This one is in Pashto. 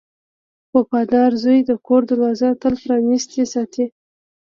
• وفادار زوی د کور دروازه تل پرانستې ساتي.